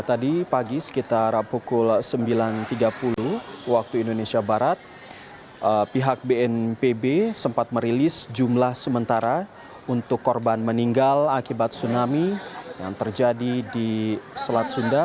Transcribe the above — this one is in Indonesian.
tadi pagi sekitar pukul sembilan tiga puluh waktu indonesia barat pihak bnpb sempat merilis jumlah sementara untuk korban meninggal akibat tsunami yang terjadi di selat sunda